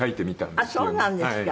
あっそうなんですか。